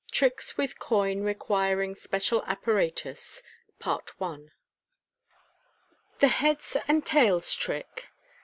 Tricks with Coin requiring Special Apparatus. Thb "Heads and Tails" Trick.